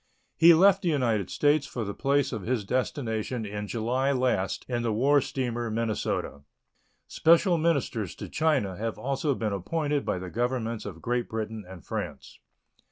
He left the United States for the place of his destination in July last in the war steamer Minnesota. Special ministers to China have also been appointed by the Governments of Great Britain and France.